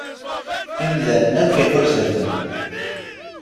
Imdanen akk iḥuza-ten.